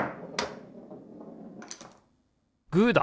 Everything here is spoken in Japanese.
グーだ！